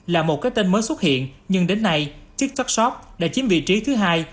là một cái tên mới xuất hiện nhưng đến nay tiktok shop đã chiếm vị trí thứ hai